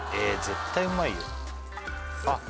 絶対うまいよあっ